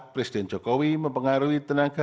presiden jokowi mempengaruhi tenaga